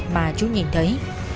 mà chú nhìn thấy